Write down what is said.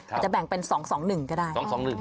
อาจจะแบ่งเป็น๒๒๑ก็ได้